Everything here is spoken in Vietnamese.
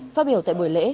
phát biểu tại buổi lễ